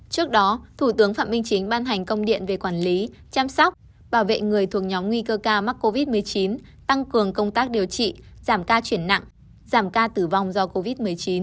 trước đó thủ tướng phạm minh chính ban hành công điện về quản lý chăm sóc bảo vệ người thuộc nhóm nguy cơ ca mắc covid một mươi chín tăng cường công tác điều trị giảm ca chuyển nặng giảm ca tử vong do covid một mươi chín